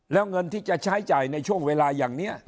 แล้วเงินที่จะใช้จ่ายในช่วงเวลาอย่างนี้